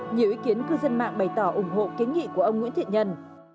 nhiều ý kiến cư dân mạng bày tỏ ủng hộ kiến nghị của ông nguyễn thiện nhân